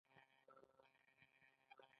پښتون ژغورني غورځنګ د ځواکمن پوځ سره ډغرې وهي.